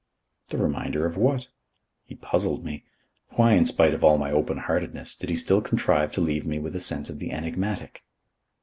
The Reminder of what? He puzzled me. Why, in spite of all my open heartedness, did he still contrive to leave me with a sense of the enigmatic?